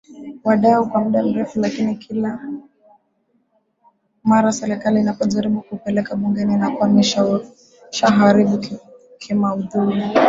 wadau kwa muda mrefu lakini kila mara Serikali inapojaribu kuupeleka Bungeni inakuwa imeshauharibu kimaudhui